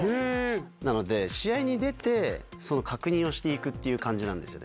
なので、試合に出て、その確認をしていくっていう感じですよね。